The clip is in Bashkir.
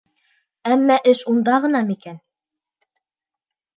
Әммә эш унда ғынамы икән?